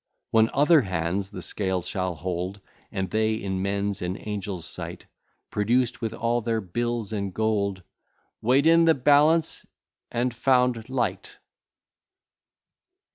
When other hands the scales shall hold, And they, in men's and angels' sight Produced with all their bills and gold, "Weigh'd in the balance and found light!"